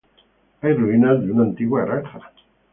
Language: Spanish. Hay ruinas de una antigua granja.